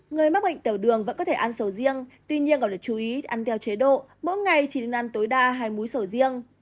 người mắc bệnh tiểu đường vẫn có thể ăn sầu riêng tuy nhiên còn được chú ý ăn theo chế độ mỗi ngày chỉ nên ăn tối đa hai muối sầu riêng